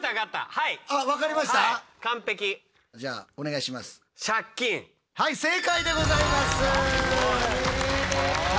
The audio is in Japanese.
はい正解でございます！